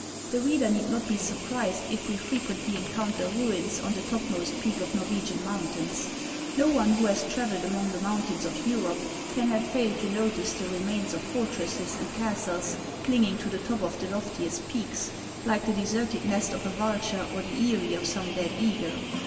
The reader need not be surprised if we frequently en counter ruins on the topmost peak of Xorwegian moun tains. Xo one who has travelled among the mountains of Europe can have failed to notice the remains of for tresses and castles clinging to the top of the loftiest peaks, like the deserted nest of a vulture or the eyrie of some dead eagle.